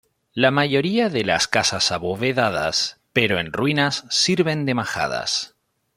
La mayoría de las casas abovedadas, pero en ruinas, sirven de majadas.